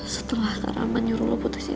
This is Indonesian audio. setelah kak raman nyuruh lo putusin gue